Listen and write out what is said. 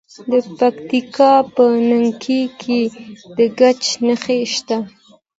د پکتیکا په نکې کې د ګچ نښې شته.